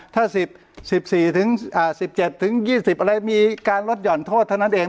ถ้า๑๔๑๗๒๐อะไรมีการลดห่อนโทษเท่านั้นเอง